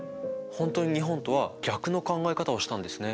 本当に日本とは逆の考え方をしたんですね。